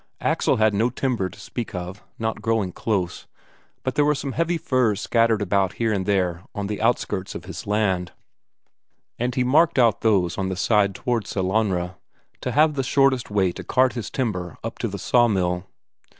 Axel had no timber to speak of, not growing close, but there were some heavy firs scattered about here and there on the outskirts of his land, and he marked out those on the side toward Sellanraa, to have the shortest way to cart his timber up to the sawmill.